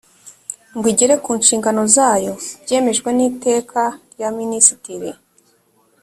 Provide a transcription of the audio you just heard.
ngo igere ku nshingano zayo byemejwe n iteka rya minisitiri